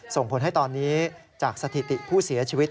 ส่งผลให้ตอนนี้จากสถิติผู้เสียชีวิต